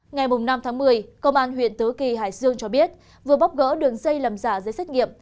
ngày năm tháng một mươi công an huyện tứ kỳ hải dương cho biết vừa bóc gỡ đường dây làm giả giấy xét nghiệm